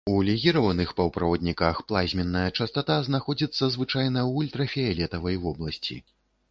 У легіраваных паўправадніках плазменная частата знаходзіцца звычайна ў ультрафіялетавай вобласці.